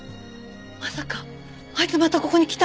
まさかあいつまたここに来たの？